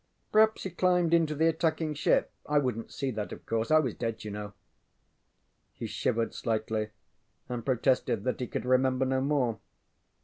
Perhaps he climbed into the attacking ship. I wouldnŌĆÖt see that, of course. I was dead, you know. ŌĆØ He shivered slightly and protested that he could remember no more.